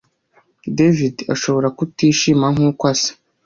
David ashobora kutishima nkuko asa